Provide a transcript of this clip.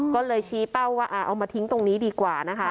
ก็เลยชี้เป้าว่าเอามาทิ้งตรงนี้ดีกว่านะคะ